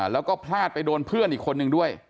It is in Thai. แล้วก็พลาดไปโดนเพื่อนอีกคนนึงด้วย